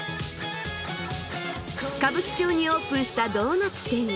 歌舞伎町にオープンしたドーナツ店。